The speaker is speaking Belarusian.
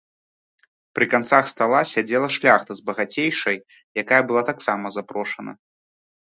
Пры канцах стала сядзела шляхта з багацейшай, якая была таксама запрошана.